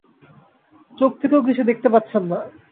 চোখ থেকেও কিছুই দেখতে পাচ্ছেন না।